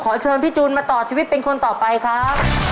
เชิญพี่จูนมาต่อชีวิตเป็นคนต่อไปครับ